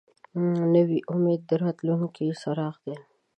نوی امید د راتلونکي څراغ دی